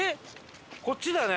こっちだね。